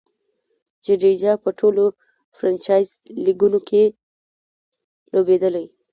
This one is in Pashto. جډیجا په ټولو فرنچائز لیګونو کښي لوبېدلی.